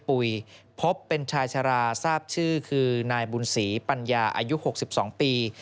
ปุ่ยพบเป็นชายชาราทราบชื่อคือนายบูลศรีปัญญาอายุหกสิบสองปี